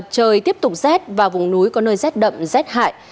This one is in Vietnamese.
trời tiếp tục rét và vùng núi có nơi rét đậm rét hại